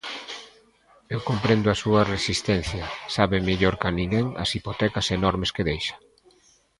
Eu comprendo a súa resistencia, sabe mellor ca ninguén as hipotecas enormes que deixa.